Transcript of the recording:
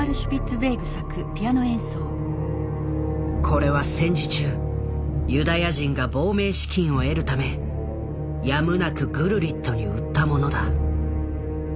これは戦時中ユダヤ人が亡命資金を得るためやむなくグルリットに売ったものだ。